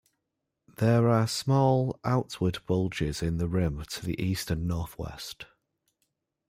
There are small outward bulges in the rim to the east and northwest.